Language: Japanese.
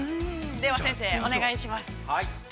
では、先生、お願いします。